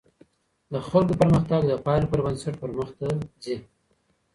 د خلګو پرمختګ د پایلو پر بنسټ پرمخته ځي.